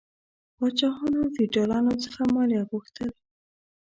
پاچاهانو له فیوډالانو څخه مالیه غوښتل.